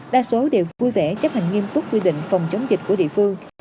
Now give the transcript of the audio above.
đa số đều vui vẻ chấp hành nghiêm túc quy định phòng chống dịch của địa phương